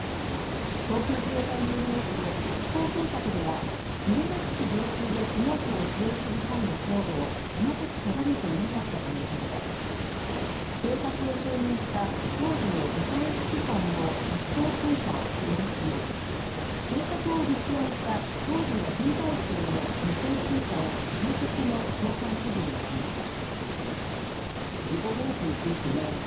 航空自衛隊によりますと、飛行計画では入間基地上空でスモークを使用する際の高度を細かく定めていなかったということで、計画を承認した当時の部隊指揮官の１等空佐を減給、計画を立案した当時の編隊長の２等空佐を戒告の懲戒処分にしました。